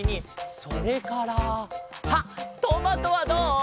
それからあっトマトはどう？